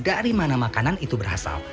dari mana makanan itu berasal